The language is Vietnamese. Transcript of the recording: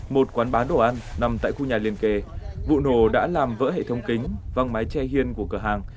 một quán bán đồ ăn nằm tại khu nhà liên kề vụ nổ đã làm vỡ hệ thống kính văng mái che hiên của cửa hàng